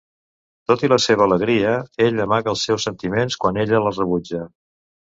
Tot i la seva alegria, ell amaga els seus sentiments quan ella el rebutja.